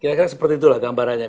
kira kira seperti itulah gambarannya